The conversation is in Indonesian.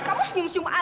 kamu senyum senyum aja